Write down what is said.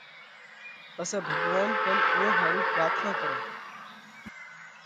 پسئہ ڀڳوونَ ڪنَ اُوئون ۿارُو پراٿنا ڪرونھ،